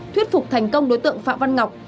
thuyết phục thành công đối tượng phạm văn ngọc